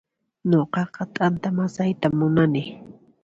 Nuqaqa t'anta masaytan munani